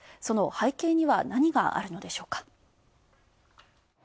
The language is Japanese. その背景には何があるのでしょうか。